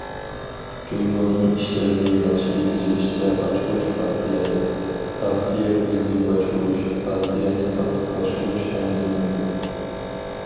جۇڭگونىڭ ئىشلىرىنى ياخشى بېجىرىشتە ئاچقۇچ پارتىيەدە، پارتىيە ئۆزىنى باشقۇرۇش، پارتىيەنى قاتتىق باشقۇرۇش ھەممىدىن مۇھىم.